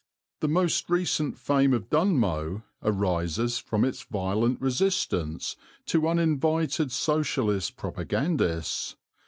The most recent fame of Dunmow arises from its violent resistance to uninvited Socialist propagandists.